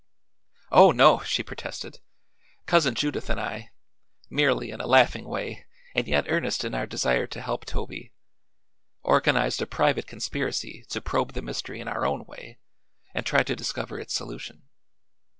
"Oh, no!" she protested. "Cousin Judith and I merely in a laughing way and yet earnest in our desire to help Toby organized a private conspiracy to probe the mystery in our own way and try to discover its solution.